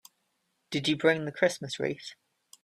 Did you bring the Christmas wreath?